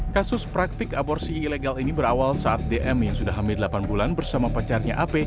kasus praktik aborsi ilegal ini berawal saat dm yang sudah hamil delapan bulan bersama pacarnya ap